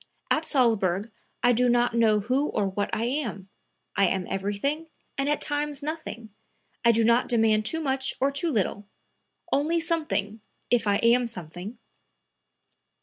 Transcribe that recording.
At Salzburg I do not know who or what I am; I am everything and at times nothing. I do not demand too much or too little; only something, if I am something."